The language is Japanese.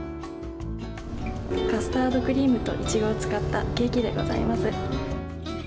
カスタードクリームとイチゴを使ったケーキでございます。